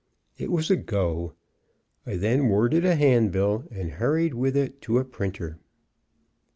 It was a go. I then worded a handbill and hurried with it to a printer.